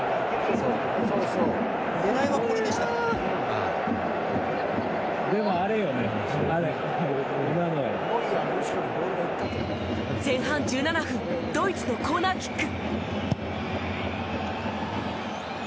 でも、今のよ。前半１７分ドイツのコーナーキック。